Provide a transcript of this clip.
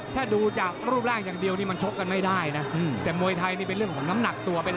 ที่ยูนรัฐยูนรึเป็นเรียมใช้แรงงานของบริเวณแท้